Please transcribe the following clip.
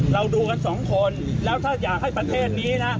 เราดูกันสองคนแล้วถ้าอยากให้ประเทศนี้นะ